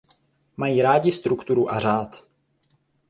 Mají rádi strukturu a řád.